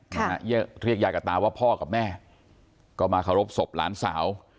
เรียกเรียกยายกับตาว่าพ่อกับแม่ก็มาเคารพศพหลานสาว